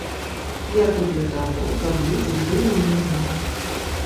Я тут для таго, каб людзі жылі мірна.